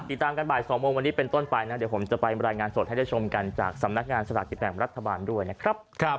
ติดตามกันบ่าย๒โมงวันนี้เป็นต้นไปนะเดี๋ยวผมจะไปรายงานสดให้ได้ชมกันจากสำนักงานสลากกินแบ่งรัฐบาลด้วยนะครับ